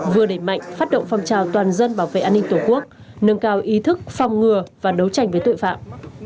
vừa đẩy mạnh phát động phong trào toàn dân bảo vệ an ninh tổ quốc nâng cao ý thức phòng ngừa và đấu tranh với tội phạm